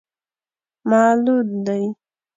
معلول دی.